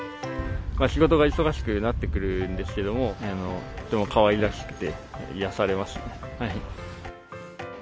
仕事が忙しくなってくるんですけれども、とってもかわいらしくて、癒やされますね。